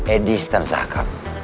edis dan sakap